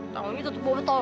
tangan lasu tutup botol